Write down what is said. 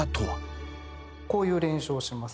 こういう練習をします。